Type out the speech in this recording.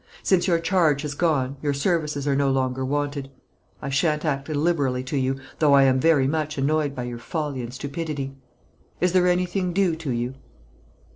Since your charge has gone, your services are no longer wanted. I shan't act illiberally to you, though I am very much annoyed by your folly and stupidity. Is there anything due to you?"